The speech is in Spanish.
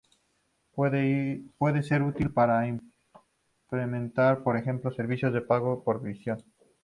Puede ser útil para implementar, por ejemplo, servicios de pago por visión.